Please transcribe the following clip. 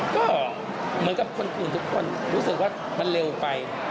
ก็เหมือนกับคนอื่นทุกคนรู้สึกว่ามันเร็วไป